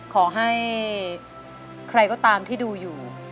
ขอให้ใครก็ตามที่ดูอยู่